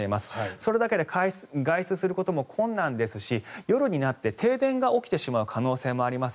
それだけで外出することも困難ですし夜になって停電が起きてしまう可能性もあります。